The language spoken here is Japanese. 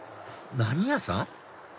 何屋さん？